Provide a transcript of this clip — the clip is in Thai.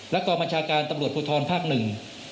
และกองบัญชาการตำรวจภูทรภาคหนึ่ง